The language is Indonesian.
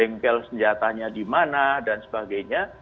bengkel senjatanya di mana dan sebagainya